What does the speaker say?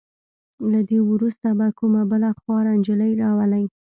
له دې وروسته به کومه بله خواره نجلې راولئ.